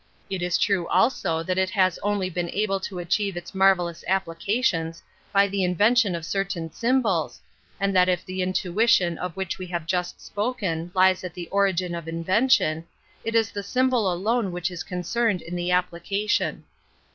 It if true k1»o that it has only been able to tow its manvU^s applications by tbe mtioa of certain symboK and that if wc F \M BOt the intuition of which we have just spoken lies at the origin of invention, it is the symbol alone which is concerned in the application.